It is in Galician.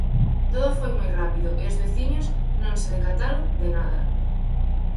Todo foi moi rápido e os veciños non se decataron de nada.